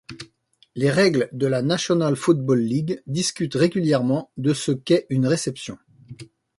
Les règles de la National Football League discutent régulièrement de ce qu'est une réception.